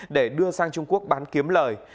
để đưa sang trung quốc bán kiếm lời